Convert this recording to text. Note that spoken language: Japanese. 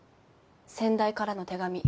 先代からの手紙。